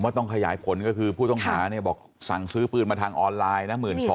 ต้องขยายผลก็คือผู้ต้องหาเนี่ยบอกสั่งซื้อปืนมาทางออนไลน์นะ๑๒๐๐